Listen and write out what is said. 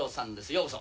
ようこそ。